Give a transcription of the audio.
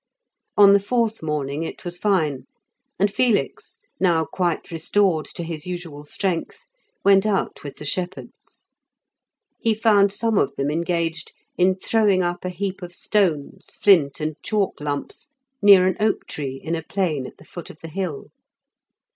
On the fourth morning it was fine, and Felix, now quite restored to his usual strength, went out with the shepherds. He found some of them engaged in throwing up a heap of stones, flint, and chalk lumps near an oak tree in a plain at the foot of the hill.